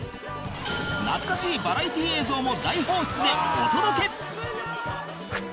懐かしいバラエティ映像も大放出でお届け！